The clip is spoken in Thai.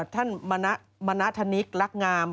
ท่านมณธนิกรักงาม